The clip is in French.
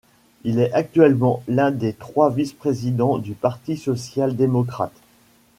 Il est actuellement l'un des trois vice-présidents du Parti social-démocrate.